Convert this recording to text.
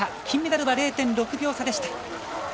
金メダルは０．６秒差でした。